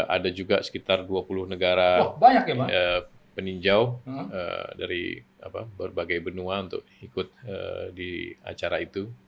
ada juga sekitar dua puluh negara peninjau dari berbagai benua untuk ikut di acara itu